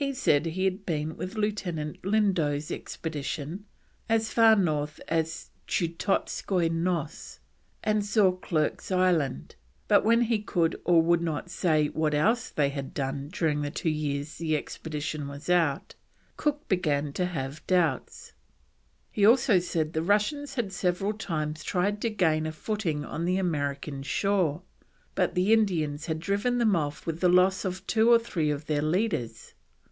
He said he had been with Lieutenant Lindo's expedition as far north as Tchukotskoi Nos, and saw Clerke's Island; but when he could or would not say what else they had done during the two years the expedition was out, Cook began to have doubts. He also said the Russians had several times tried to gain a footing on the American shore, but the Indians had driven them off with the loss of two or three of their leaders.